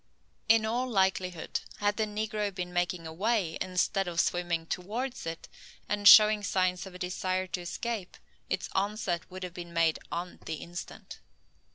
In all likelihood, had the negro been making away, instead of swimming towards it, and showing signs of a desire to escape, its onset would have been made on the instant.